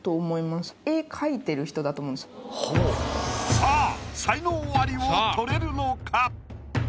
さあ才能アリを獲れるのか？